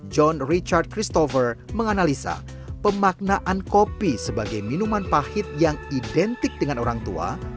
john richard christopher menganalisa pemaknaan kopi sebagai minuman pahit yang identik dengan orang tua